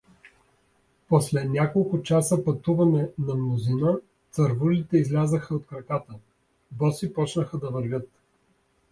После няколко часа пътувание на мнозина цървулите излязоха от краката, боси почнаха да вървят.